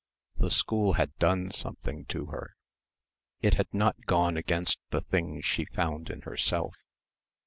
The school had done something to her. It had not gone against the things she found in herself.